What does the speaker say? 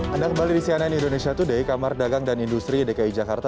anda kembali di cnn indonesia today kamar dagang dan industri dki jakarta